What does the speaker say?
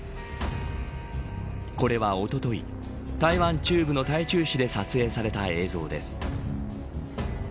これは、おととい台湾中部の台中市で撮影された映像です。